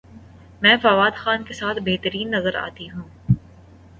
میں فواد خان کے ساتھ بہترین نظر اتی ہوں